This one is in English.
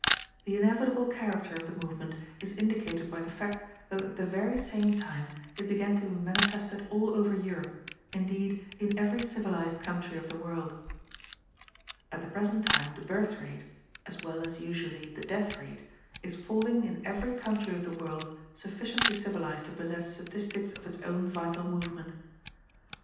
The inevitable character of the movement is indicated by the fact that at the very same time it began to be manifested all over Europe, indeed in every civilized country of the world. "At the present time the birth rate (as well as usually the death rate) is falling in every country of the world sufficiently civilized to possess statistics of its own vital movement.